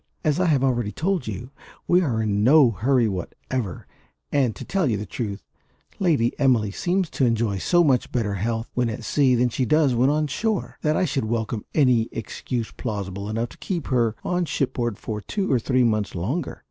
"As I have already told you, we are in no hurry whatever; and, to tell you the truth, Lady Emily seems to enjoy so much better health when at sea than she does when on shore, that I should welcome any excuse plausible enough to keep her on shipboard for two or three months longer.